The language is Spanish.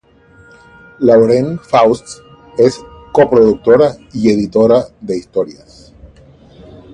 Lauren Faust es co-productora y editora de historias.